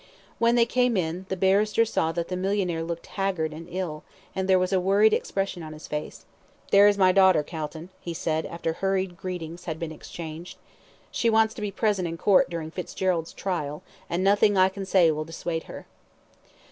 When they came in, the barrister saw that the millionaire looked haggard and ill, and there was a worried expression on his face. "There is my daughter, Calton," he said, after hurried greetings had been exchanged. "She wants to be present in Court during Fitzgerald's trial, and nothing I can say will dissuade her."